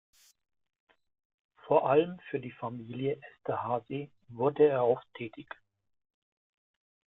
Vor allem für die Familie Esterházy wurde er oft tätig.